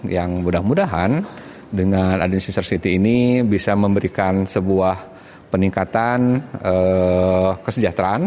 yang mudah mudahan dengan adanya sister city ini bisa memberikan sebuah peningkatan kesejahteraan